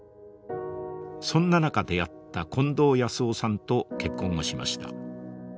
そんな中出会った近藤泰男さんと結婚をしました。